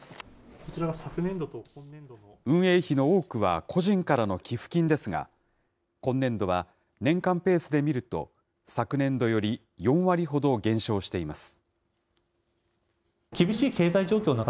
運営費の多くは個人からの寄付金ですが、今年度は、年間ペースで見ると、昨年度より４割ほど減少しています。